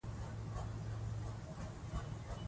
سټيونز په بریتانیا کې زېږېدلی و.